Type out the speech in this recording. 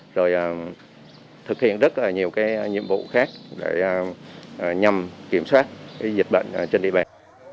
rồi thực hiện rất là nhiều nhiệm vụ khác để nhằm kiểm soát dịch bệnh trên địa bàn